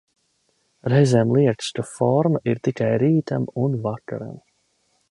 Reizēm liekas, ka forma ir tikai rītam un vakaram.